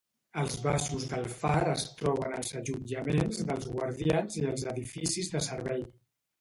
Als baixos del far es troben els allotjaments dels guardians i els edificis de servei.